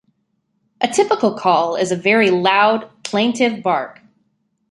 A typical call is a very loud, plaintive bark.